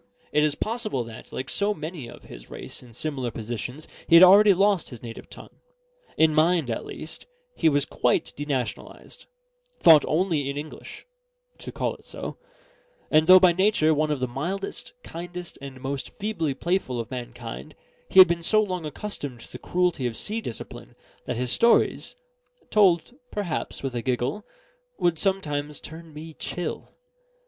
It is possible that, like so many of his race in similar positions, he had already lost his native tongue. In mind, at least, he was quite denationalised; thought only in English to call it so; and though by nature one of the mildest, kindest, and most feebly playful of mankind, he had been so long accustomed to the cruelty of sea discipline, that his stories (told perhaps with a giggle) would sometimes turn me chill.